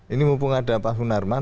ini mumpung ada pak sunarman